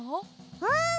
うん！